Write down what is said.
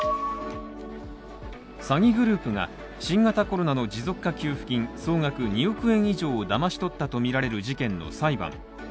詐欺グループが新型コロナの持続化給付金総額２億円以上をだましとったとみられる事件の裁判。